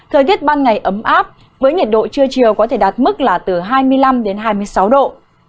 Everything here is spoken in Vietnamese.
thời tiết ban ngày ấm áp với nhiệt độ trưa chiều có thể đạt mức là từ hai mươi năm đến hai mươi sáu độ